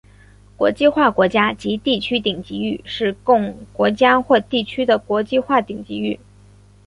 国际化国家及地区顶级域是供国家或地区的国际化顶级域。